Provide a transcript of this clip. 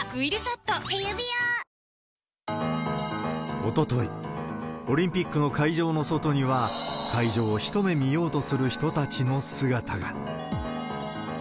おととい、オリンピックの会場の外には会場を一目見ようとする人たちの姿が。